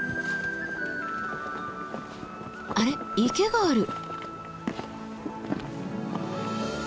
あれ池がある。